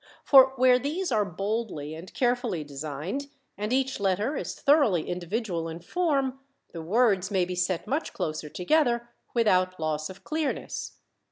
For where these are boldly and carefully designed, and each letter is thoroughly individual in form, the words may be set much closer together, without loss of clearness.